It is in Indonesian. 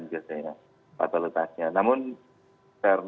sebenarnya di indonesia mungkin antara setengah sampai satu persen